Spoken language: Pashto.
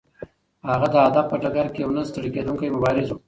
هغه د ادب په ډګر کې یو نه ستړی کېدونکی مبارز و.